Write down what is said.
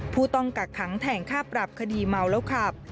ผู้ต้องกักขังแทงค่าปรับคดีเมาแล้วขับ